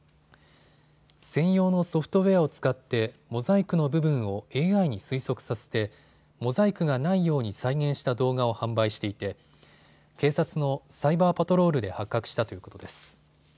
専用のソフトウエアを使ってモザイクの部分をＡＩに推測させてモザイクがないように再現した動画を販売していて警察のサイバーパトロールで発覚したということです。